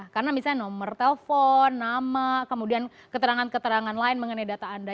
karena misalnya nomor telepon nama kemudian keterangan keterangan lain mengenai data anda